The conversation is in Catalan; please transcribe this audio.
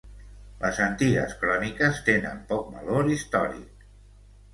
Les antigues cròniques tenen poc valor històric.